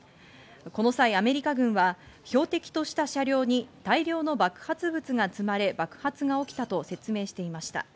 この際アメリカ軍は標的とした車両に大量の爆発物が積まれ爆発が起きたと説明していました。